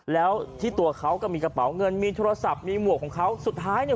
แล้วที่ตัวเขาก็มีกระเป๋าเงินมีโทรศัพท์มีหมวกของเขาสุดท้ายเนี่ย